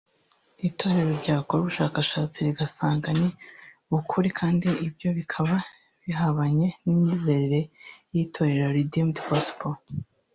Itorero ryakora ubushakashatsi rigasanga ni ukuri kandi ibyo bikaba bihabanye n'imyizerere y'itorero Redeemed Gospel